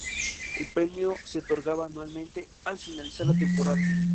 El premio se otorgaba anualmente, al finalizar la temporada.